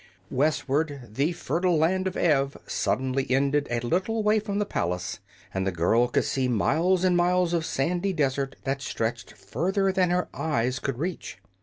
Westward the fertile Land of Ev suddenly ended a little way from the palace, and the girl could see miles and miles of sandy desert that stretched further than her eyes could reach.